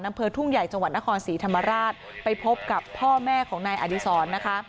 อำเภอทุ่งใหญ่จังหวัดนครศรีธรรมราชไปพบกับพ่อแม่ของนายอดีศรนะคะ